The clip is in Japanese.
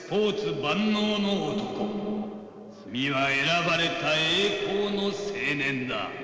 君は選ばれた栄光の青年だ」。